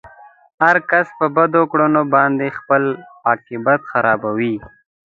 هر کس په بدو کړنو باندې خپل عاقبت خرابوي.